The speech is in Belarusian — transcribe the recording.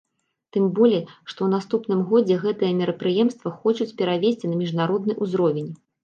Тым болей, што ў наступным годзе гэтае мерапрыемства хочуць перавесці на міжнародны ўзровень.